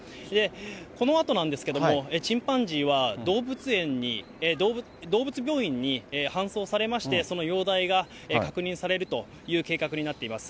このあとなんですけれども、チンパンジーは動物病院に搬送されまして、その容体が確認されるという計画になっています。